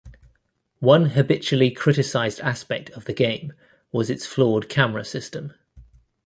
One habitually-criticized aspect of the game was its flawed camera system.